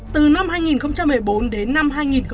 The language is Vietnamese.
từ năm hai nghìn một mươi bốn đến năm hai nghìn hai mươi một